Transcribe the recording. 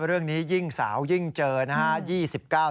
และเรื่องนี้ยิ่งสาวยิ่งเจอนะครับ